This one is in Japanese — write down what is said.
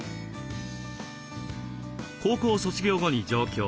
高校卒業後に上京。